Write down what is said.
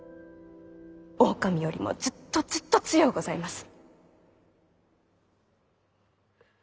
狼よりもずっとずっと強うございます。